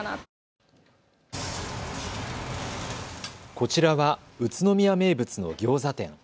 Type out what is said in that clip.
こちらは宇都宮名物のギョーザ店。